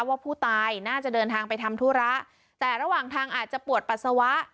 ว่าผู้ตายน่าจะเดินทางไปทำธุระแต่ระหว่างทางอาจจะปวดปัสสาวะ